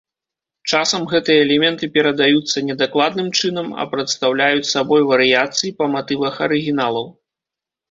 Часам гэтыя элементы перадаюцца не дакладным чынам, а прадстаўляюць сабой варыяцыі па матывах арыгіналаў.